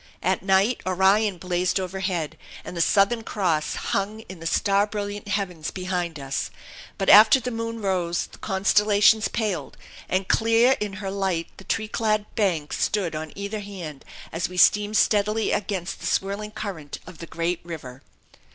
At night Orion blazed overhead; and the Southern Cross hung in the star brilliant heavens behind us. But after the moon rose the constellations paled; and clear in her light the tree clad banks stood on either hand as we steamed steadily against the swirling current of the great river.